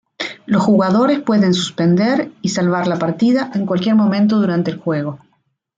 Los jugadores pueden suspender y salvar la partida en cualquier momento durante el juego.